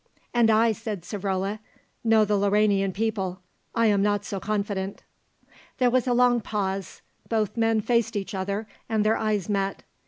"And I," said Savrola, "know the Lauranian people. I am not so confident." There was a long pause. Both men faced each other, and their eyes met.